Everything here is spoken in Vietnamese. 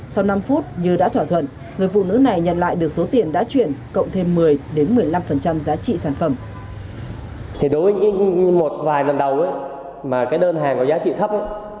sau năm phút như đã thỏa thuận người phụ nữ này nhận lại được số tiền đã chuyển cộng thêm một mươi một mươi năm giá trị sản phẩm